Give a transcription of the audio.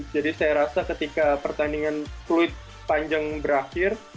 jadi saya rasa ketika pertandingan fluid panjang berakhir